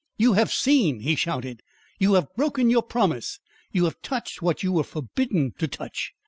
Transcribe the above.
"You have SEEN!" he shouted. "You have broken your promise! You have touched what you were forbidden to touch!